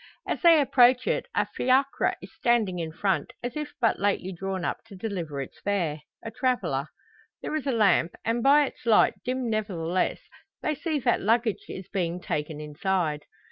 As they approach it a fiacre is standing in front, as if but lately drawn up to deliver its fare a traveller. There is a lamp, and by its light, dim nevertheless, they see that luggage is being taken inside.